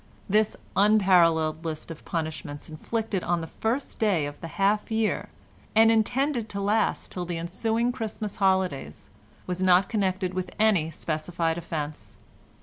This unparalleled list of punishments inflicted on the first day of the half year, and intended to last till the ensuing Christmas holidays, was not connected with any specified offence.